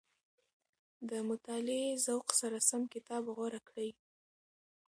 د مطالعې ذوق سره سم کتاب غوره کړئ.